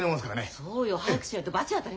そうよ早くしないと罰当たりますよ。